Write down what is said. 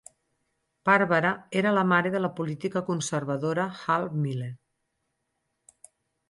Barbara era la mare de la política conservadora Hal Miller.